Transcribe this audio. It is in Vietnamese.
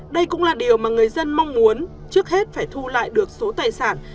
đây cũng là điều mà người dân mong muốn trước hết phải thu lại được số tài sản